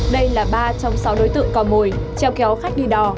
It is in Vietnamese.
đây là ba trong sáu đối tượng cò mồi treo kéo khách đi đò